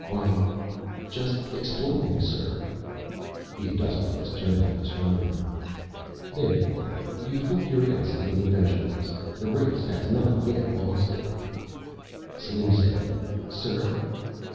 "Why just exploring, sir." The Industrialist turned to the Astronomer. "There you are, youthful curiosity and adventure lust. The race has not yet lost it." Slim said, "Sir?"